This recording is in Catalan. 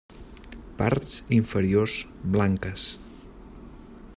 Parts inferiors blanques.